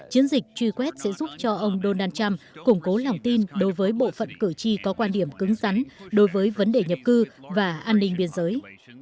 chiến dịch truy quét sẽ giúp cho ông donald trump củng cố lòng tin đối với bộ phận cử tri có quan điểm cứng rắn đối với vấn đề nhập cư và an ninh biên giới